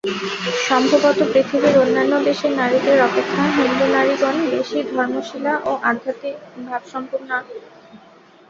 সম্ভবত পৃথিবীর অন্যান্য দেশের নারীদের অপেক্ষা হিন্দুনারীগণ বেশী ধর্মশীলা ও আধ্যাত্মিকভাবসম্পন্না।